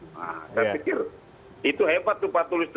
saya pikir itu hebat tuh pak tulus